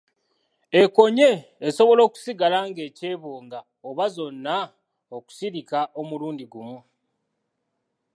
Ekoonye esobola okusigala ng'ekyebonga oba zonna okusirika omulundi gumu.